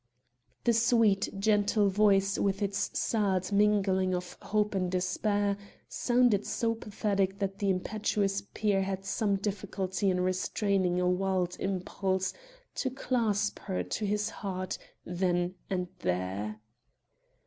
The sweet gentle voice, with its sad mingling of hope and despair, sounded so pathetic that the impetuous peer had some difficulty in restraining a wild impulse to clasp her to his heart then and there.